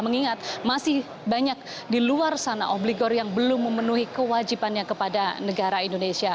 mengingat masih banyak di luar sana obligor yang belum memenuhi kewajibannya kepada negara indonesia